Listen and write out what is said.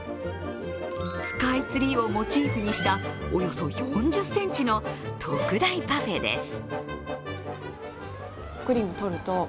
スカイツリーをモチーフにしたおよそ４０ｃｍの特大パフェです。